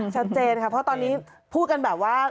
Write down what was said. ชัดเจนค่ะเพราะตอนนี้พูดกันแบบว่า